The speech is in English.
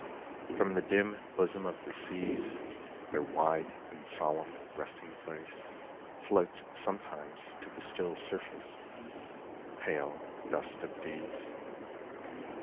From the dim bosom of the seas Their wide and solemn resting place Floats sometimes to the still surface Pale dust of these.